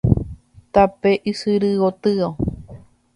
Tape ysyry gotyo.